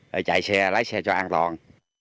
để chạy xe lái xe cho an toàn